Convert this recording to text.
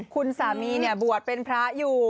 คุณสามีบวชเป็นพระอยู่